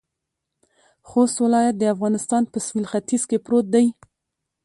خوست ولایت د افغانستان په سویل ختيځ کې پروت دی.